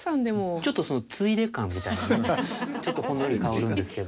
ちょっとそのついで感みたいなちょっとほんのり香るんですけど。